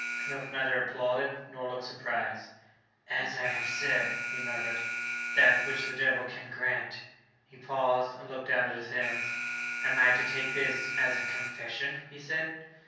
Knupf neither applauded, nor looked surprised. "As I have said," he murmured, "that which the Devil can grant " He paused and looked down at his hands. "Am I to take this as a confession?" he said.